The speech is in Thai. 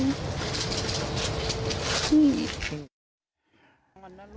อร่อยน่ะครับ